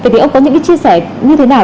thì ông có những chia sẻ như thế nào